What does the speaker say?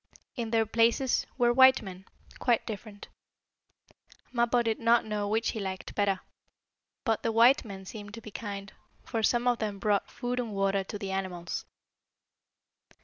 In their places were white men, quite different. Mappo did not know which he liked better, but the white men seemed to be kind, for some of them brought food and water to the animals.